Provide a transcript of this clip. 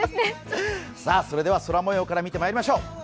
それでは空もようから見てまいりましょう。